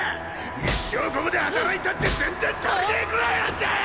一生ここで働いたって全然足りねぇくらいなんだよ！